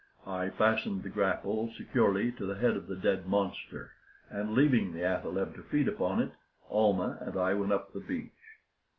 I fastened the grapple securely to the head of the dead monster, and leaving the athaleb to feed upon it, Almah and I went up the beach.